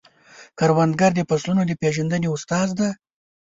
کروندګر د فصلونو د پیژندنې استاد دی